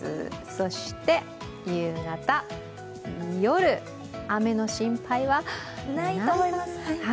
そして夕方、夜、雨の心配はないと思います。